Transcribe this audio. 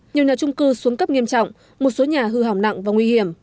nhiều nhà trung cư xuống cấp nghiêm trọng một số nhà hư hỏng nặng và nguy hiểm